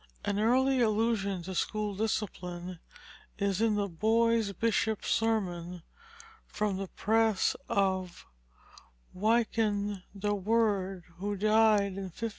An early allusion to school discipline is in the Boy Bishop's Sermon from the press of Wynkyn de Worde, who died in 1535.